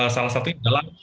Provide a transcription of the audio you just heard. salah satunya adalah